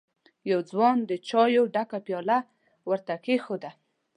يوه ځوان د چايو ډکه پياله ور ته کېښوده.